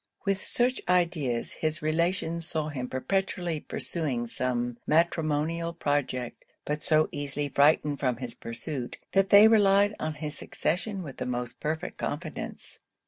With such ideas, his relations saw him perpetually pursuing some matrimonial project; but so easily frightened from his pursuit, that they relied on his succession with the most perfect confidence.